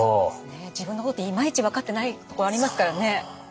自分のこといまいち分かってないとこありますからね。